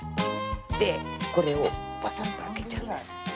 でこれをバサッとあけちゃうんです。